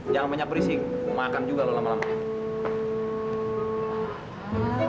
jangan banyak berisik makan juga loh lama lama